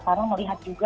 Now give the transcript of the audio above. karena melihat juga